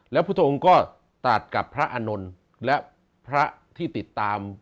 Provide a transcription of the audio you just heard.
แล้วพุทธองค์ก็ตัดกับพระอานนท์และพระที่ติดตาม